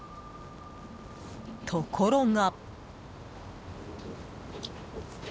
ところが。